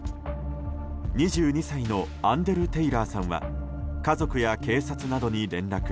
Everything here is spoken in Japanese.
２２歳のアンデル・テイラーさんは家族や警察などに連絡。